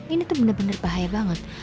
ini tuh bener bener bahaya banget